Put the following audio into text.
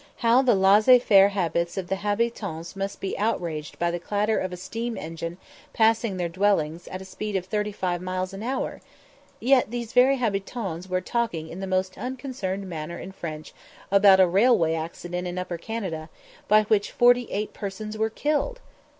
How the laissez faire habits of the habitans must he outraged by the clatter of a steam engine passing their dwellings at a speed of thirty five miles an hour! Yet these very habitans were talking in the most unconcerned manner in French about a railway accident in Upper Canada, by which forty eight persons were killed!